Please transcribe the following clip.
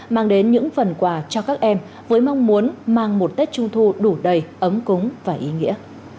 mang đến những phần quà cho các em với mong muốn mang một tết trung thu đủ đầy ấm cúng và ý nghĩa